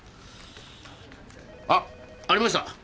あっありました。